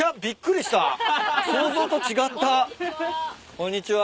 こんにちは。